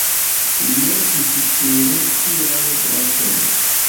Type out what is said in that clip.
Li mortis sur ŝiaj brakoj.